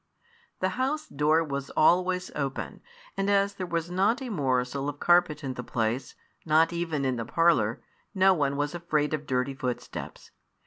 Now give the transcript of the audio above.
The house door was always open, and as there was not a morsel of carpet in the place, not even in the parlour, no one was afraid of dirty footsteps.